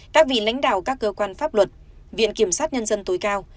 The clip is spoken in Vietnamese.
các vị lãnh đạo các cơ quan pháp luật viện kiểm sát nhân dân tối cao